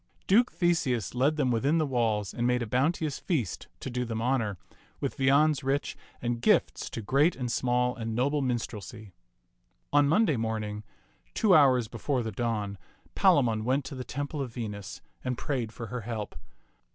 Duke Theseus led them within the walls and made a bounteous feast to do them honor, with viands rich and gifts to great and small and noble minstrelsy. On Monday morning, two hours before the dawn, Palamon went to the temple of Venus and prayed for her help.